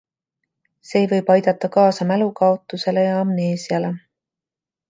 See võib aidata kaasa mälukaotusele ja amneesiale.